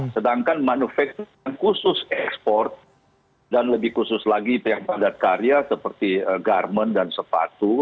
sedangkan manufaktur yang khusus ekspor dan lebih khusus lagi itu yang padat karya seperti garmen dan sepatu